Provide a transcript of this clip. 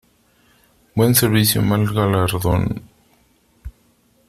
Buen servicio, mal galardón.